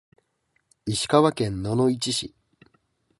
石川県野々市市